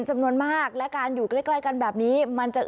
จำนวนมากและการอยู่ใกล้ใกล้กันแบบนี้มันจะ